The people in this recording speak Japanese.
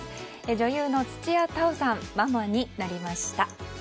女優の土屋太鳳さんママになりました。